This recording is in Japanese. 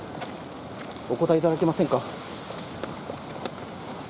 お答えいただけませんか？